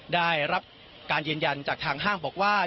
ได้รับการยืนยันจากทางห้างบอกว่า